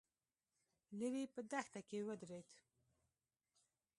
ليرې په دښته کې ودرېد.